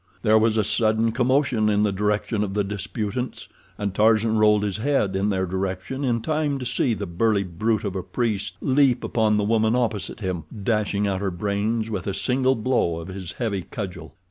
There was a sudden commotion in the direction of the disputants, and Tarzan rolled his head in their direction in time to see the burly brute of a priest leap upon the woman opposite him, dashing out her brains with a single blow of his heavy cudgel.